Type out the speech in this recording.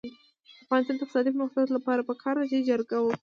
د افغانستان د اقتصادي پرمختګ لپاره پکار ده چې جرګه وکړو.